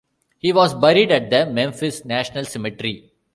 He was buried at the Memphis National Cemetery.